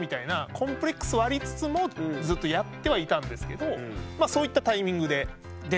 コンプレックスはありつつもずっとやってはいたんですけどそういったタイミングで。